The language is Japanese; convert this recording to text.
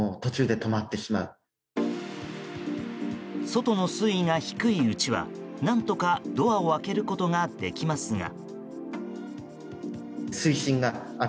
外の水位が低いうちは何とかドアを開けることができますが。